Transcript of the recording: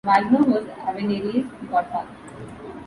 Wagner was Avenarius' godfather.